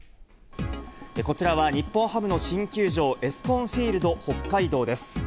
こちらは日本ハムの新球場、エスコンフィールド北海道です。